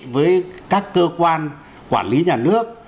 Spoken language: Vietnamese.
với các cơ quan quản lý nhà nước